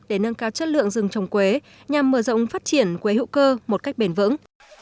để nâng cao chất lượng rừng trồng quế nhằm mở rộng phát triển quế hữu cơ một cách bền vững